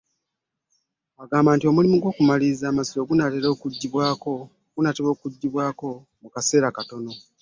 Agamba omulimu gw'okumaliriza amasiro gunaatera okuggyibwako emikono mu kaseera katono.